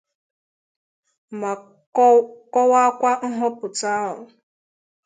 ma kọwakwa nhọpụta ahụ